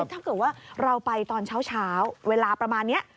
ถ้าเกิดว่าเราไปตอนเช้าเวลาประมาณนี้